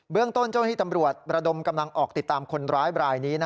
เรื่องต้นเจ้าหน้าที่ตำรวจระดมกำลังออกติดตามคนร้ายบรายนี้